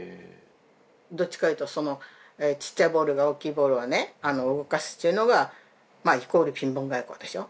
どっちかというとその「ちっちゃいボールが大きいボールを動かす」というのがイコールピンポン外交でしょ。